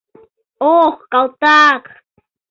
Ох, калтак!